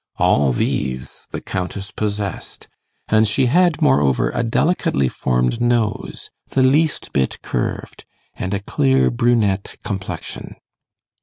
All these the Countess possessed, and she had, moreover, a delicately formed nose, the least bit curved, and a clear brunette complexion.